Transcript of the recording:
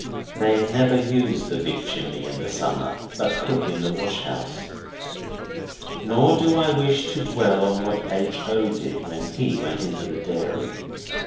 They never use the big chimney in the summer, but cook in the wash house. Nor do I wish to dwell on what H. O. did when he went into the dairy.